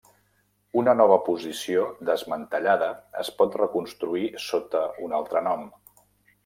Una nova posició desmantellada es pot reconstruir sota un altre nom.